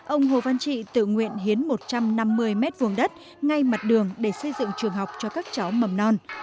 ông hồ văn trị tự nguyện hiến một trăm năm mươi m hai đất ngay mặt đường để xây dựng trường học cho các cháu mầm non